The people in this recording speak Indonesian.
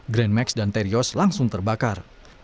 grand max dan terios langsung terbakar